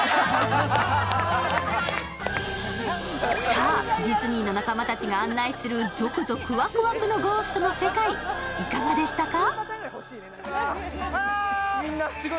さあ、ディズニーの仲間たちが案内するぞくぞくワクワクのゴーストの世界、いかがでしたか？